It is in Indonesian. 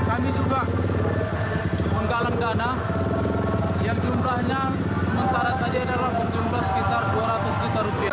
dan dalam kegiatan ini kami juga menggalang dana yang jumlahnya sementara tadi adalah jumlah sekitar dua ratus juta rupiah